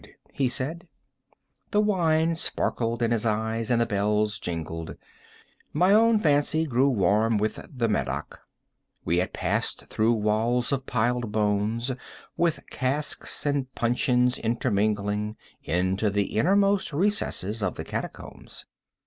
he said. The wine sparkled in his eyes and the bells jingled. My own fancy grew warm with the Medoc. We had passed through walls of piled bones, with casks and puncheons intermingling, into the inmost recesses of the catacombs.